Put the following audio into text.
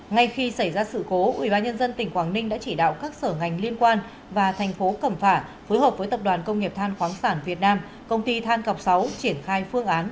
ngay khi xảy ra sự cố ubnd tỉnh quảng ninh đã chỉ đạo các sở ngành liên quan và thành phố cẩm phả phối hợp với tập đoàn công nghiệp than khoáng sản việt nam công ty than cọc sáu triển khai phương án